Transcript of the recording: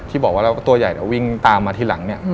ที่บอกว่าแล้วตัวใหญ่วิ่งตามมาทีหลังเนี่ย